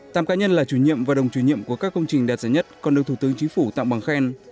tám cá nhân là chủ nhiệm và đồng chủ nhiệm của các công trình đạt giải nhất còn được thủ tướng chính phủ tặng bằng khen